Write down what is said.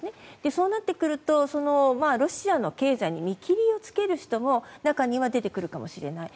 そうなってくるとロシアの経済に見切りをつける人も中には出てくるかもしれない。